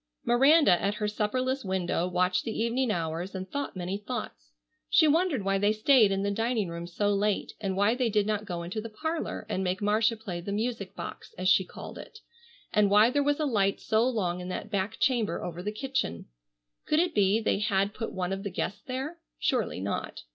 Miranda, at her supperless window, watched the evening hours and thought many thoughts. She wondered why they stayed in the dining room so late, and why they did not go into the parlor and make Marcia play the "music box" as she called it; and why there was a light so long in that back chamber over the kitchen. Could it be they had put one of the guests there? Surely not.